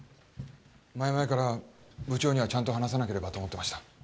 前々から部長にはちゃんと話さなければと思ってました。